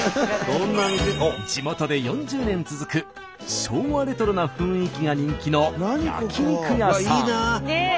地元で４０年続く昭和レトロな雰囲気が人気の焼き肉屋さん。